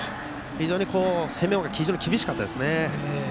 非常に攻めが厳しかったですね。